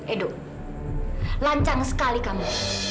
edu lancang sekali kamu